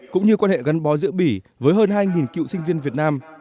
cũng như quan hệ gắn bó giữa bỉ với hơn hai cựu sinh viên việt nam